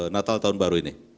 natal tahun baru ini